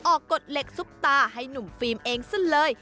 กฎเหล็กซุปตาให้หนุ่มฟิล์มเองซะเลย